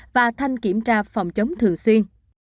và thanh kiểm tra phòng chống thường xuyên